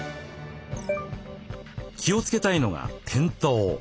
気をつけたいのが転倒。